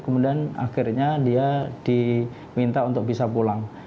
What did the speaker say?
kemudian akhirnya dia diminta untuk bisa pulang